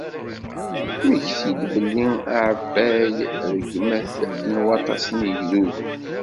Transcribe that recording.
Mmekti-d belli ɛebbaɣ rregmat n waṭas n yigduden!